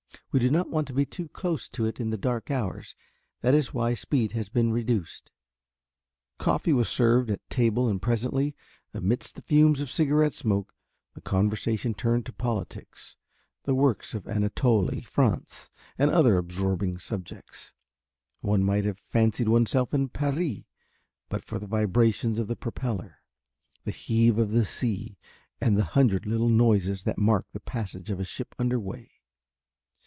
We do not want to be too close to it in the dark hours, that is why speed has been reduced." Coffee was served at table and presently, amidst the fumes of cigarette smoke, the conversation turned to politics, the works of Anatole France, and other absorbing subjects. One might have fancied oneself in Paris but for the vibrations of the propeller, the heave of the sea, and the hundred little noises that mark the passage of a ship under way.